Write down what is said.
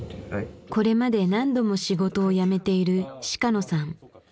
これまで何度も仕事を辞めている鹿野さん。